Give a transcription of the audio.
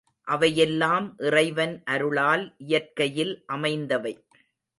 அவையெல்லாம் இறைவன் அருளால் இயற்கையில் அமைந்தவை.